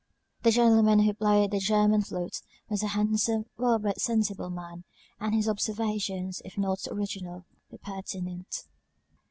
The gentleman who played on the german flute, was a handsome, well bred, sensible man; and his observations, if not original, were pertinent.